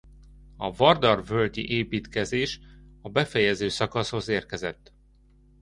A Vardar-völgyi építkezés a befejező szakaszhoz érkezett.